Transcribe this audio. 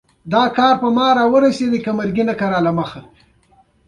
څنګه چرت وهې تا ته وایم، باجوړ دې پیدا کړ.